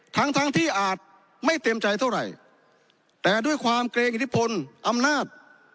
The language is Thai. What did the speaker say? ทั้งทั้งที่อาจไม่เต็มใจเท่าไหร่แต่ด้วยความเกรงอิทธิพลอำนาจ